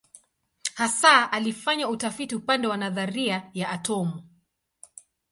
Hasa alifanya utafiti upande wa nadharia ya atomu.